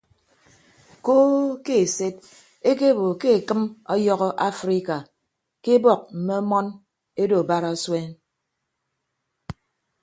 Koo ke esed ekebo ke ekịm ọyọhọ afrika ke ebọk mme ọmọn edo barasuen.